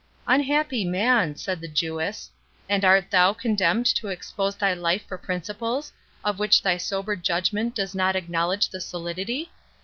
"Unhappy man," said the Jewess; "and art thou condemned to expose thy life for principles, of which thy sober judgment does not acknowledge the solidity?